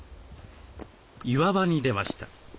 岩場に出ました。